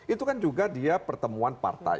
itu kan juga dia pertemuan partai